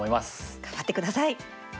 頑張って下さい。